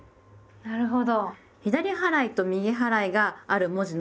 なるほど。